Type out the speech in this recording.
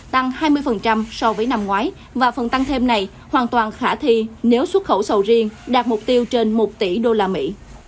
tăng hai mươi so với năm ngoái và phần tăng thêm này hoàn toàn khả thi nếu xuất khẩu sầu riêng đạt mục tiêu trên một tỷ đô la mỹ